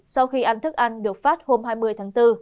sau khi ăn thức ăn được phát hôm hai mươi tháng bốn